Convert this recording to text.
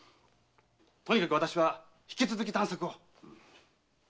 とにかく私は引き続き探索を。